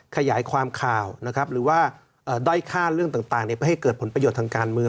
ขยายความข่าวนะครับหรือว่าด้อยค่าเรื่องต่างเพื่อให้เกิดผลประโยชน์ทางการเมือง